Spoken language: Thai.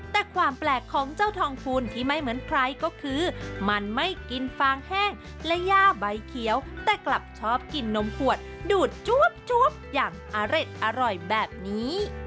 แต่ความแปลกของเจ้าทองฟูนที่ไม่เหมือนใครก็คือมันไม่กินฟางแห้งและย่าใบเขียวแต่กลับชอบกินนมขวดดูดจวบอย่างอร่อยแบบนี้